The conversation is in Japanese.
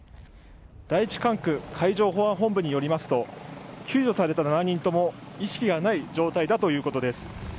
第１管区海上保安本部によりますと救助された７人とも意識がない状態だということです。